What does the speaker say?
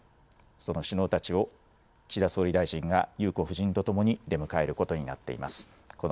その首脳たちを岸田総理大臣が裕子夫人と共に出迎えることになっています。